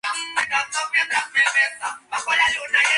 A edad avanzada cayó en el alcoholismo y murió en Corinto.